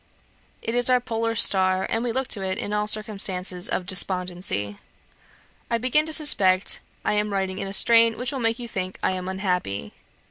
It is our polar star, and we look to it in all circumstances of despondency. I begin to suspect I am writing in a strain which will make you think I am unhappy.